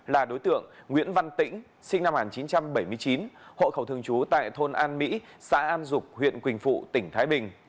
là đối tượng nguyễn văn tĩnh sinh năm một nghìn chín trăm bảy mươi chín hộ khẩu thường trú tại thôn an mỹ xã an dục huyện quỳnh phụ tỉnh thái bình